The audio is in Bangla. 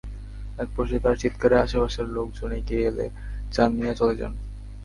একপর্যায়ে তাঁর চিৎকারে আশপাশের লোকজন এগিয়ে এলে চান মিয়া চলে যান।